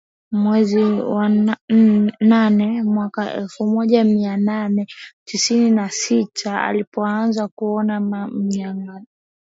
Mwezi wa nane mwaka elfu moja mia nane tisini na sita alipoanza kuona mgawanyiko